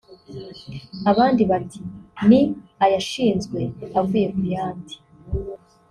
abandi bati ni ayashinzwe avuye ku yandi